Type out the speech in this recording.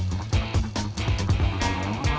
gak ada apa apa